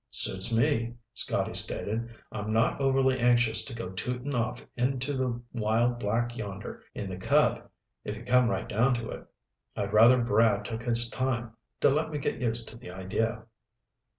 "Suits me," Scotty stated. "I'm not overly anxious to go tooting off into the wild black yonder in the Cub, if you come right down to it. I'd rather Brad took his time, to let me get used to the idea."